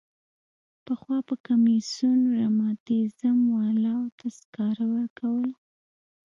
پخوا به کمیسیون رماتیزم والاوو ته سکاره ورکول.